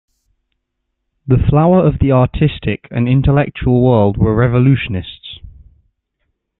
The flower of the artistic and intellectual world were revolutionists.